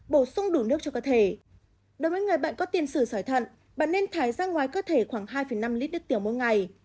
bổ sung đủ nước cho cơ thể đối với người bệnh có tiền sử sỏi thận bạn nên thải ra ngoài cơ thể khoảng hai năm lít đứt tiểu mỗi ngày